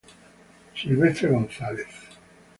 Silvestre González".